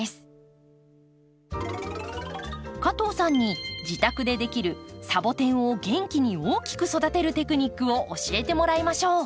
加藤さんに自宅でできるサボテンを元気に大きく育てるテクニックを教えてもらいましょう。